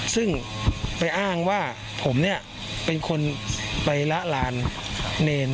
ซึ่งไปอ้างว่าผมเนี่ยเป็นคนไปละลานเนร